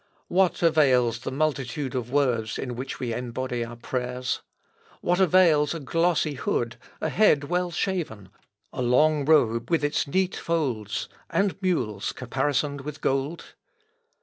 What avails the multitude of words in which we embody our prayers? What avails a glossy hood a head well shaven a long robe with its neat folds, and mules caparisoned with gold?